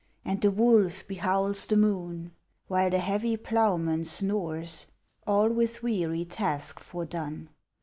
And the wolf hehowls the moon ; While the heavy ploughman snores, All with weary task foredone.